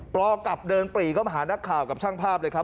ปอกลับเดินปรีเข้ามาหานักข่าวกับช่างภาพเลยครับ